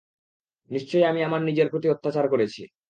নিশ্চয় আমি আমার নিজের প্রতি অত্যাচার করেছি।